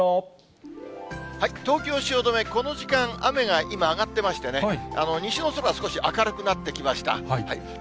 東京・汐留、この時間、雨が今、上がってましてね、西の空、少し明るくなってきました。